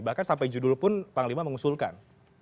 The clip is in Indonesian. bahkan sampai judul pun panglima mengusulkan